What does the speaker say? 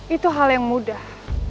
itu hal yang mudah